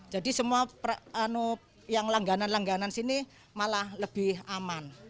jadi semua yang langganan langganan sini malah lebih aman